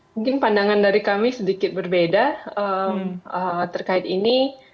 mungkin pandangan dari kami sedikit berbeda terkait ini